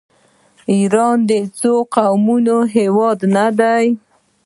آیا ایران یو څو قومي هیواد نه دی؟